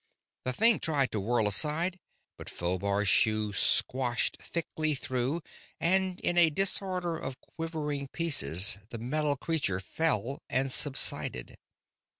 The thing tried to whirl aside, but Phobar's shoe squashed thickly through, and in a disorder of quivering pieces the metal creature fell, and subsided.